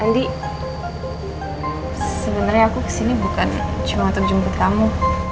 li sebenernya aku kesini bukan cuma untuk jumpa kamu